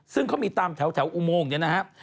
ซึ่งเขามีตามแถวอุโมงเนี่ยนะครับ